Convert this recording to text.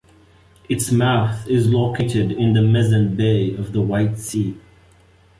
Its mouth is located in the Mezen Bay of the White Sea.